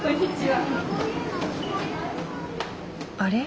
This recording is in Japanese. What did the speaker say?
あれ？